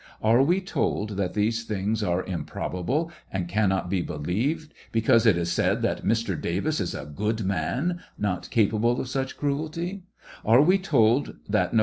Are we told that these things are improbable, and cannot be believed, because it is said that Mr. Davis is a gooA man, not capable of such cruelty 1 ,Are we told that no.